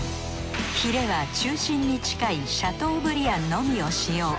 ヒレは中心に近いシャトーブリアンのみを使用。